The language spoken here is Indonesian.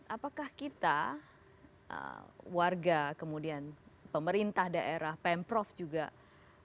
apakah kita warga kemudian pemerintah daerah pemprov juga apa yang salah sebenarnya